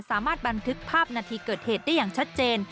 สามารถบันทึกภาพนาทีเกิดเหตุได้อย่างชัดเจน